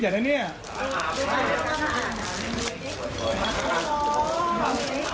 บางมากค่ะ